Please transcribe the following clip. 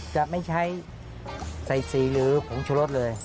จะไม่ใช่ไซสีหรือผงชะลดเลย